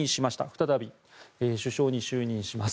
再び首相に就任します。